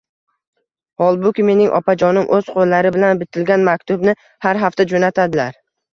Holbuki mening onajonim o'z qo'llari bilan bitilgan maktubni har hafta jo'natadilar.